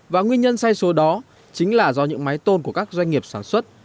và nguyên nhân sai số đó chính là do những máy tôn của các doanh nghiệp sản xuất